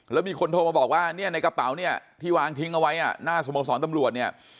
แล้วมีคนโทรมาบอกว่าเนี่ยในกระเป๋าเนี่ยที่วางทิ้งเอาไว้หน้าสโมสรตำรวจเนี่ย